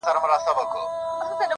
جانانه ستا د يادولو کيسه ختمه نه ده”